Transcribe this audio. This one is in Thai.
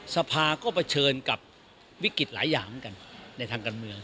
สภาก็เผชิญกับวิกฤตหลายอย่างเหมือนกันในทางการเมือง